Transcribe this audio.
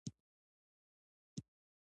ایا ستاسو لاسونه به مینځل شوي وي؟